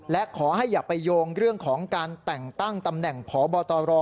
และขอให้อย่าไปโยงเรื่องของการแต่งตั้งตำแหน่งพบตร